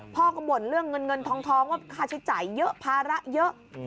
พอกำบลเรื่องเงินท้องว่าคาใช้จ่ายเยอะภาระเยอะ